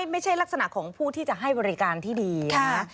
ลักษณะของผู้ที่จะให้บริการที่ดีนะ